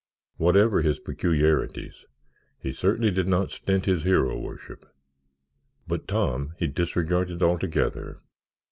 Whatever his peculiarities, he certainly did not stint his hero worship. But Tom he disregarded altogether.